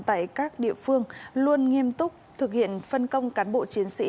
tại các địa phương luôn nghiêm túc thực hiện phân công cán bộ chiến sĩ